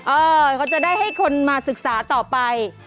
เออเขาจะได้ให้คนมาศึกษาต่อไป